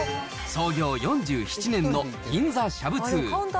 創業４７年の銀座しゃぶ通。